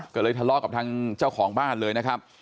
ก็เลยทะเลาะกับทางเจ้าของบ้านเลยนะครับ